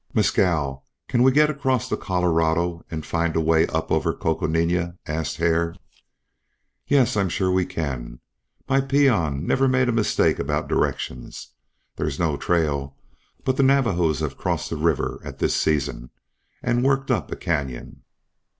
"Mescal, can we get across the Colorado and find a way up over Coconina?" asked Hare. "Yes, I'm sure we can. My peon never made a mistake about directions. There's no trail, but Navajos have crossed the river at this season, and worked up a canyon."